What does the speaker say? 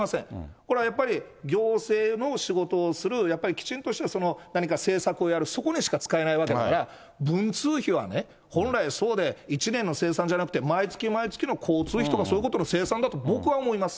これはやっぱり、行政の仕事をする、やっぱりきちんとした何か政策をやる、そこにしか使えないわけだから、文通費はね、本来、そうで、１年の精算じゃなくて、毎月毎月の交通費とか、そういうことの精算だと、僕は思います。